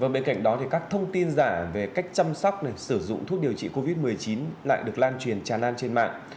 bên cạnh đó các thông tin giả về cách chăm sóc sử dụng thuốc điều trị covid một mươi chín lại được lan truyền tràn lan trên mạng